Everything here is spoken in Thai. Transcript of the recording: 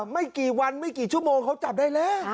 ไม่กี่วันไม่กี่ชั่วโมงเขาจับได้แล้ว